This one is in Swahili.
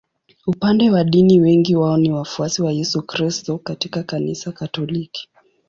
Upande wa dini wengi wao ni wafuasi wa Yesu Kristo katika Kanisa Katoliki.